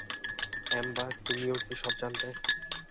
Ember, তুমিও কি সব জানতে?